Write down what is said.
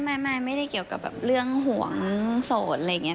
ไม่ไม่ได้เกี่ยวกับเรื่องห่วงสดอะไรเงี้ย